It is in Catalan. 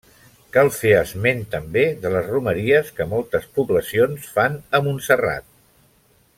Cal fer esment també de les romeries que moltes poblacions fan a Montserrat.